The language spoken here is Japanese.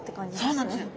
そうなんです。